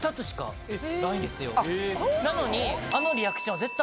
なのに。